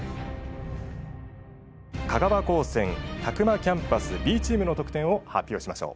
香川高専詫間キャンパスＢチームの得点を発表しましょう。